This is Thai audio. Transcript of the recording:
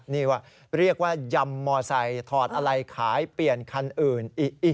นี่ว่าเรียกว่ายำมอไซค์ถอดอะไรขายเปลี่ยนคันอื่น